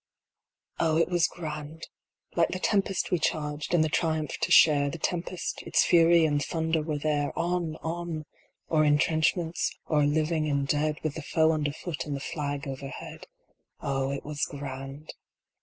Oh, it was grand ! Like the tempest we charged, in the triumph to share ; The tempest its fury and thunder were there, On, on, o er intrenchments, o er living and dead, With the foe underfoot and the flag overhead. Oh, it was grand